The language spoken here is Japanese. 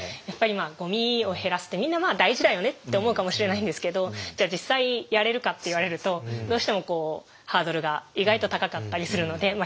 やっぱりまあゴミを減らすってみんなまあ大事だよねって思うかもしれないんですけどじゃあ実際やれるかって言われるとどうしてもこうハードルが意外と高かったりするので。